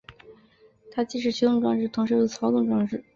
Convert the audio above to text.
它既是驱动装置同时又是操纵装置。